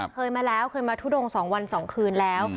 เคยมาแล้วเคยมาทุดง๒วัน๒คืนแล้ว